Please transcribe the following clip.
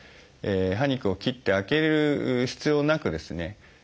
歯肉を切って開ける必要なくですね